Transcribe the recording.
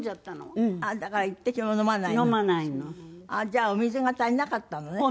じゃあお水が足りなかったのね？